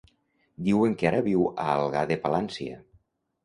Diuen que ara viu a Algar de Palància.